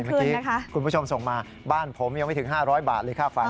เมื่อกี้คุณผู้ชมส่งมาบ้านผมยังไม่ถึง๕๐๐บาทเลยค่าไฟ